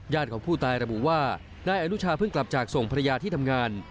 ของผู้ตายระบุว่านายอนุชาเพิ่งกลับจากส่งภรรยาที่ทำงาน